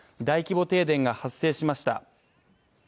大規模停電が発生しました。